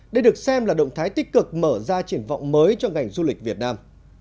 đây được xem là động thái tích cực mở ra triển vọng mới cho ngành du lịch việt nam